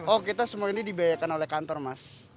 oh kita semua ini dibiayakan oleh kantor mas